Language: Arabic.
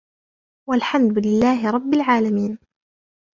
وَالْحَمْدُ لِلَّهِ رَبِّ الْعَالَمِينَ